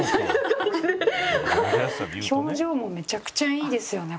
表情もめちゃくちゃいいですよね